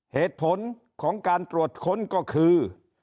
เหตุผลของการตรวจค้นก็คือ